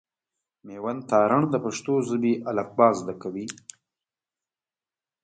مېوند تارڼ د پښتو ژبي الفبا زده کوي.